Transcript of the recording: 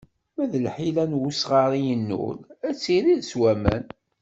Ma d lḥila n usɣar i yennul, ad tirid s waman.